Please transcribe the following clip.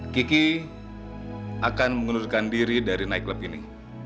kiki akan mengundurkan diri dari nightclub ini